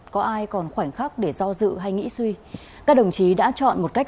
có ai còn khoảnh khắc để do dự hay nghĩ suy các đồng chí đã chọn một cách